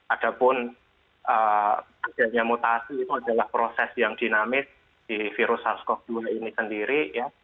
adapun mutasi itu adalah proses yang dinamis di virus sars cov dua ini sendiri